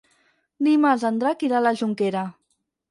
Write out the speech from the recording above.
Dimarts en Drac irà a la Jonquera.